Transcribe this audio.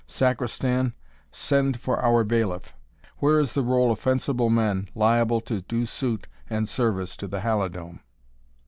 Sacristan, send for our bailiff. Where is the roll of fencible men liable to do suit and service to the Halidome?